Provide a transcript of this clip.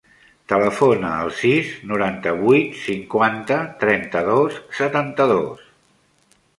Telefona al sis, noranta-vuit, cinquanta, trenta-dos, setanta-dos.